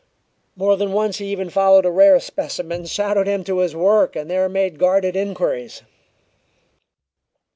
More than once he even followed a rare specimen shadowed him to his work and there made guarded inquiries.